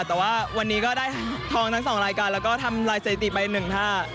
แต่ว่าวันนี้ก็ได้ทองทั้ง๒รายการแล้วก็ทำลายสถิติไป๑ท่า